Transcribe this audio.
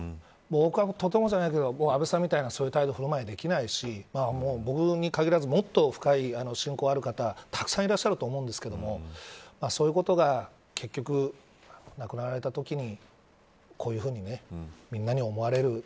僕は、とてもじゃないけど安倍さんみたいなそういう振る舞いはできないし僕に限らず、もっと深い親交のある方、たくさんいらっしゃると思うんですけどそういうことが結局亡くなられたときにこういうふうにみんなに思われる。